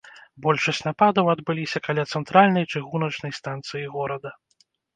Большасць нападаў адбыліся каля цэнтральнай чыгуначнай станцыі горада.